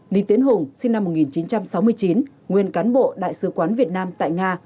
lý tiến hùng sinh năm một nghìn chín trăm sáu mươi chín nguyên cán bộ đại sứ quán việt nam tại nga